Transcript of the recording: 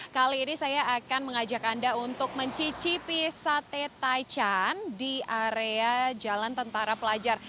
kali ini saya akan mengajak anda untuk mencicipi sate taichan di area jalan tentara pelajar